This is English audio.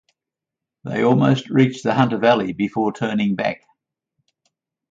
They almost reached the Hunter Valley before turning back.